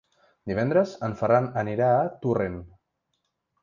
Divendres en Ferran anirà a Torrent.